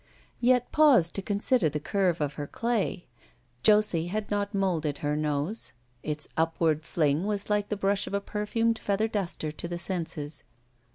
Yet pause to consider the curve of her clay. Josie had not molded her nose. Its upward fling was like the brush of a perfumed feather duster to the senses.